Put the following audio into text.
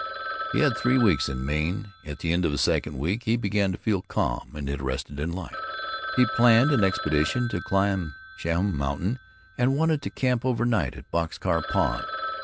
He had three weeks of Maine. At the end of the second week he began to feel calm, and interested in life. He planned an expedition to climb Sachem Mountain, and wanted to camp overnight at Box Car Pond.